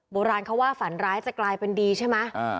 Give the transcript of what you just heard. โบราณเขาว่าฝันร้ายจะกลายเป็นดีใช่ไหม